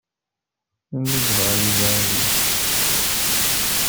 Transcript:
Anda i yebɣa Yuba ad yečč?